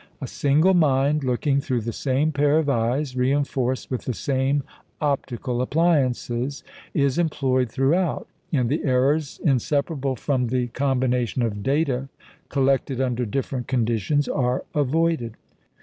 A single mind, looking through the same pair of eyes, reinforced with the same optical appliances, is employed throughout, and the errors inseparable from the combination of data collected under different conditions are avoided.